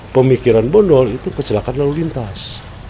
pemikiran bondol itu kecelakaan lalu lintas